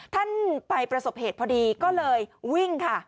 ท่านไปประสบเหตุพอดีก็เลยวิ่งค่ะ